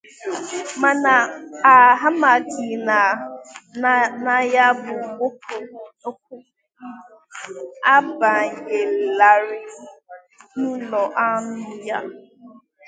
mana ha amaghị na ya bụ ọkụ abànyelarị n'ụlọ anụ ya.